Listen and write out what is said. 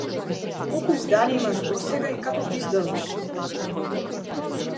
Колку изданија имаш досега и како ги издаваш?